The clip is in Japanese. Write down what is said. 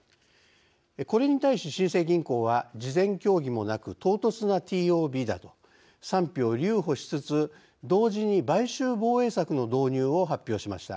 これに対し新生銀行は事前協議もなく唐突なＴＯＢだと賛否を留保しつつ同時に買収防衛策の導入を発表しました。